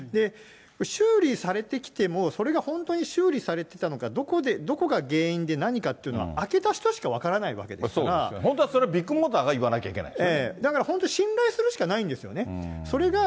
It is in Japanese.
修理されてきても、それが本当に修理されてたのか、どこが原因で何かっていうのは開けた人しか分からないわけですか本当はそれ、ビッグモーターだから本当、信頼するしかないんですよね。